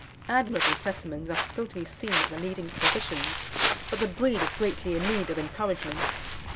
Admirable specimens are still to be seen at the leading exhibitions, but the breed is greatly in need of encouragement.